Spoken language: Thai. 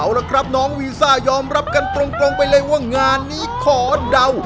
เอาละครับน้องวีซ่ายอมรับกันตรงไปเลยว่างานนี้ขอเดา